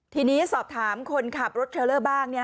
ทีนี้สอบถามคนขับรถเทรลเลอร์บ้าง